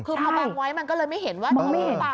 คือพอบังไว้มันก็เลยไม่เห็นว่าตรงนี้หรือเปล่า